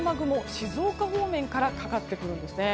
静岡方面からかかってくるんですね。